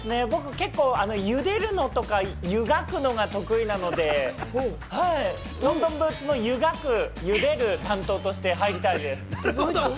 僕、結構ゆでるのとか、ゆがくのが得意なのでロンドンブーツのゆがく、ゆでる担当として入りたいです。